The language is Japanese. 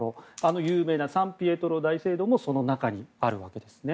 有名なサン・ピエトロ大聖堂もその中にあるわけですね。